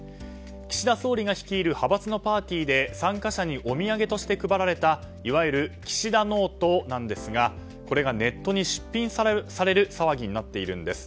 岸田総理が率いる派閥のパーティーで参加者にお土産として配られたいわゆる岸田ノートですがこれがネットに出品される騒ぎになっているんです。